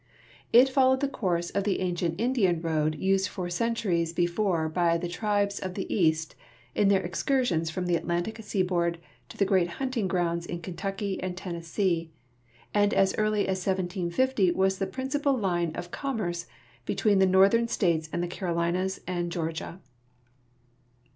It fol lowed the course of the ancient Indian road used for centuries before by the tribes of the east in their excursions from the Atlantic seal)oard to the great hunting grounds in Kentucky and Tennessee, and as early as 1750 was the principal line of com merce between the Northern states and the Carolinas and Geor gia.